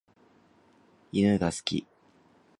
犬が好き。